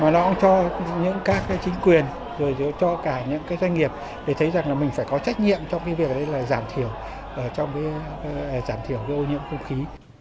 nó cũng giúp quyền cho cả những cái doanh nghiệp để thấy rằng là mình phải có trách nhiệm trong cái việc đấy là giảm thiểu ô nhiễm không khí